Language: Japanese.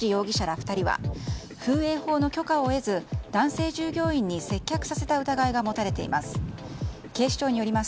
２人は風営法の許可を得ず男性従業員に接客させた疑いが持たれています。